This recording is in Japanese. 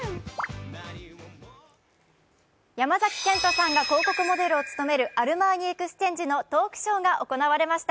山崎賢人さんが広告モデルを務めるアルマーニエクスチェンジのトークショーが行われました。